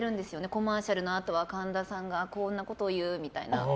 コマーシャルのあとは神田さんがこんなことを言うみたいな。